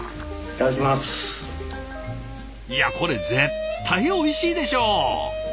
いやこれ絶対おいしいでしょう！